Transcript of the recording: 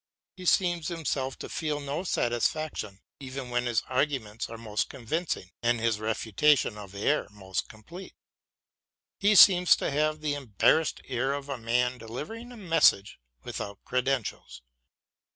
He seems himself to feel no satisfaction even when his arguments are most convincing and his refutation of error most complete. He seems to have the embarrassed air of a man delivering a message without credentials.